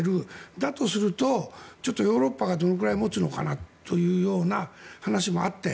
だとするとちょっとヨーロッパがどのくらい持つのかなというような話もあって。